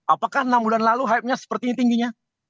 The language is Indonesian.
apakah enam bulan lalu hype nya seperti ini tingginya